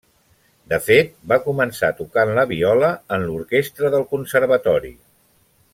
De fet va començar tocant la viola en l'orquestra del Conservatori.